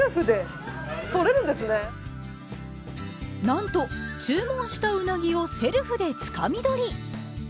なんと、注文したウナギをセルフでつかみどり。